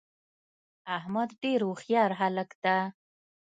احمدډیرهوښیارهلک ده